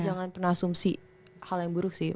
jangan pernah asumsi hal yang buruk sih